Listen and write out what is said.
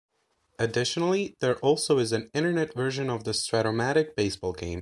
Additionally, there also is an Internet version of the Strat-O-Matic Baseball game.